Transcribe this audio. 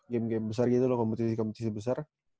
game game besar gitu loh kompetisi kompetisi besar